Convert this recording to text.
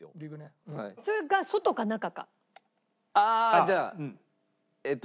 じゃあえっと